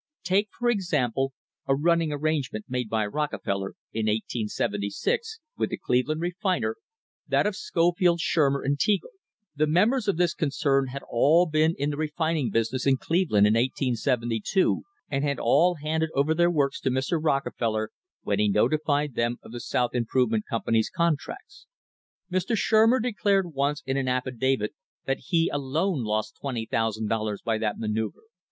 Take, for example, a run ning arrangement made by Rockefeller in 1876, with a Cleve land refinery, that of Scofield, Shurmer and Teagle. The mem bers of this concern had all been in the refining business in Cleveland in 1872 and had all handed over their works to Mr. Rockefeller, when he notified them of the South Improve ment Company's contracts. Mr. Shurmer declared once in an affidavit that he alone lost $20,000 by that manoeuvre.